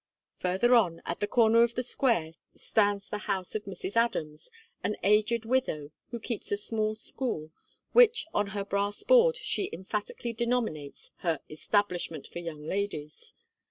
Further on, at the corner of the square, stands the house of Mrs. Adams, an aged widow, who keeps a small school, which, on her brass board, she emphatically denominates her "Establishment for Young Ladies."